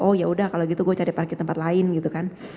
oh yaudah kalau gitu gue cari parkir tempat lain gitu kan